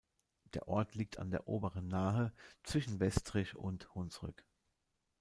Der Ort liegt an der oberen Nahe zwischen Westrich und Hunsrück.